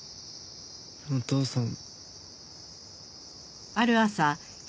お父さん。